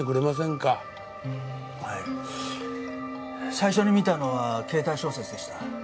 最初に見たのはケータイ小説でした。